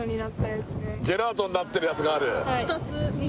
ジェラートになってるやつがある？